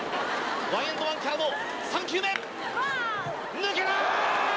［ワンエンドワンからの３球目］